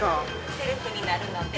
セルフになるので。